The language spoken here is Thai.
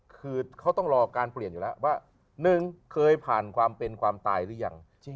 คือเขาต้องรอการเปลี่ยนอยู่แล้วว่า๑เคยผ่านความเป็นความตายหรือยัง